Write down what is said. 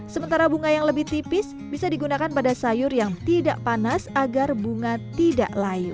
sementara bunga yang lebih tipis bisa digunakan pada sayur yang tidak panas agar bunga tidak layu